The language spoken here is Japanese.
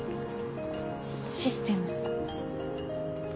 システム。